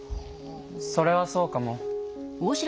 それはそうかも。